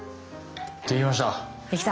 できました！